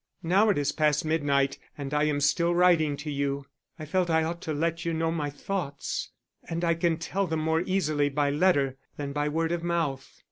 Now it is past midnight and I am still writing to you. I felt I ought to let you know my thoughts, and I can tell them more easily by letter than by word of mouth.